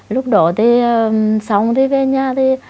lúc đó thì xong thì về nhà thì